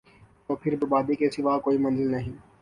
تو پھر بربادی کے سوا کوئی منزل نہیں ۔